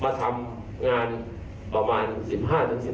เรารู้พวกนี้ดี